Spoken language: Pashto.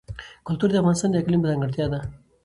کلتور د افغانستان د اقلیم ځانګړتیا ده.